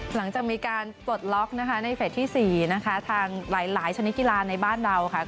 หลังจากมีการปลดล็อคในเฟสที่๔ทางหลายชนิดกีฬาในบ้านเรา